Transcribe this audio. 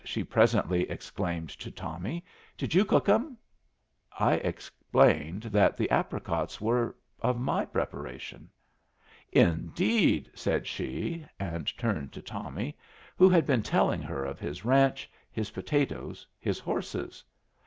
she presently exclaimed to Tommy. "Did you cook 'em?" I explained that the apricots were of my preparation. "Indeed!" said she, and returned to Tommy, who had been telling her of his ranch, his potatoes, his horses.